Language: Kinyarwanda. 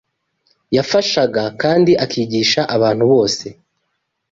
Yafashaga kandi akigisha abantu bose